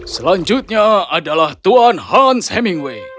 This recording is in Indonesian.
selanjutnya adalah tuan hans hemingway